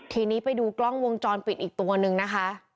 ทีนี้ไปดูกล้องวงจรปิดอีกตัวนึงนะคะ